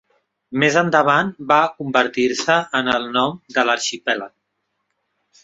Més endavant va convertir-se en el nom de l'arxipèlag.